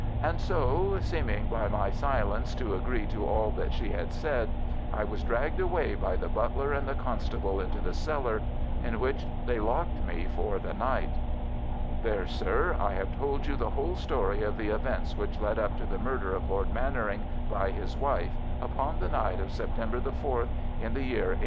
And so, seeming by my silence to agree to all that she had said, I was dragged away by the butler and the constable into the cellar, in which they locked me for the night. There, sir, I have told you the whole story of the events which led up to the murder of Lord Mannering by his wife upon the night of September the 14th, in the year 1894.